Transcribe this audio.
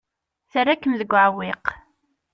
Terra-kem deg uɛewwiq.